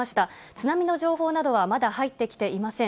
津波の情報などはまだ入ってきていません。